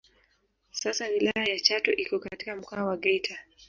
Sasa wilaya ya Chato iko katika Mkoa wa Geita